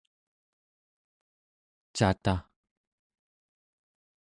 cataᵉ